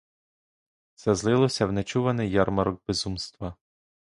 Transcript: Все злилося в нечуваний ярмарок безумства.